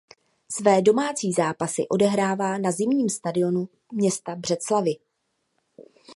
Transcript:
Své domácí zápasy odehrává na zimním stadionu města Břeclavi.